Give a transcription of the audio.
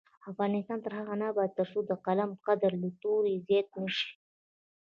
افغانستان تر هغو نه ابادیږي، ترڅو د قلم قدر له تورې زیات نه شي.